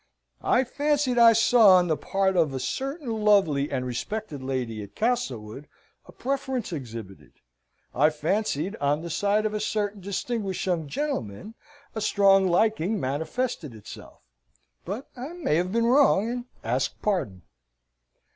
"I fancied I saw, on the part of a certain lovely and respected lady at Castlewood, a preference exhibited. I fancied, on the side of a certain distinguished young gentleman, a strong liking manifested itself: but I may have been wrong, and ask pardon."